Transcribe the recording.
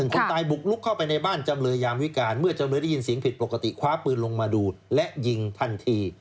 คนตายบุกลุกเข้าไปในบ้านจำเลยยามวิการเมื่อจำเลยได้ยินเสียงผิดปกติคว้าปืนลงมาดูและยิงทันที